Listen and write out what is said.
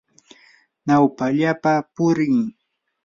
nawpallapa purii.